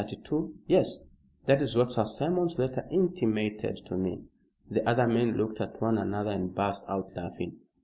Yes. That is what Sir Simon's letter intimated to me." The other men looked at one another and burst out laughing.